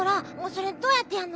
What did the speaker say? それどうやってやるの？